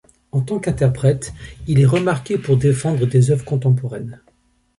En tant qu'interprète, il est remarqué pour défendre des œuvres contemporaines.